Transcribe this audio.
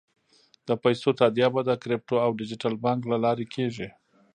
د پیسو تادیه به د کریپټو او ډیجیټل بانک له لارې کېږي.